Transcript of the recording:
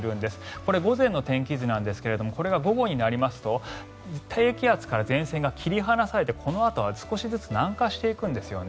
これは午前の天気図なんですがこれが午後になりますと低気圧から前線が切り離されてこのあとは少しずつ南下していくんですよね。